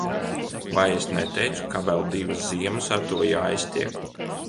Vai es neteicu, ka vēl divas ziemas ar to jāiztiek.